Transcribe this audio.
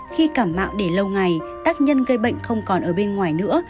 khi cảm mạng để lâu ngày tác nhân gây bệnh không còn ở bên ngoài nữa